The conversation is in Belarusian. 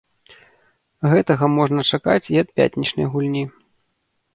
Гэтага можна чакаць і ад пятнічнай гульні.